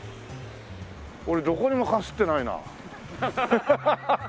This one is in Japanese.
俺どこにもかすってないな。